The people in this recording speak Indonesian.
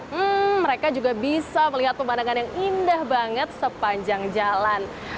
hmm mereka juga bisa melihat pemandangan yang indah banget sepanjang jalan